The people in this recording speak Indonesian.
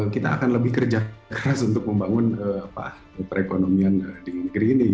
kita akan lebih kerja keras untuk membangun perekonomian di negeri ini